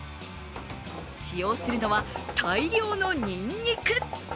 使用するのは大量のにんにく。